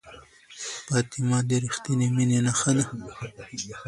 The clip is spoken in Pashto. فاطمه د ریښتینې مینې نښه ده.